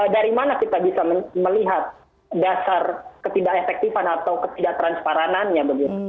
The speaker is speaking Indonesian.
dari mana kita bisa melihat dasar ketidak efektifan atau ketidak transparanannya begitu